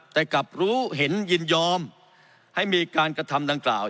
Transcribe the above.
แต่กลับรู้เห็นยินยอมให้มีการกระทำดังกล่าว